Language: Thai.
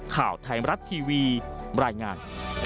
ข่าวไทยมรัฐทีวีบรรยายงาน